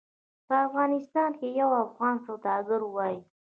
په افغانستان کې یو افغان سوداګر وایي.